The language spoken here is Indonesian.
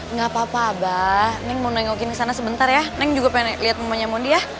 enggak apa apa abah neng mau nengokin kesana sebentar ya neng juga pengen lihat mamanya mundi ya